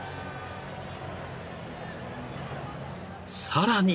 ［さらに］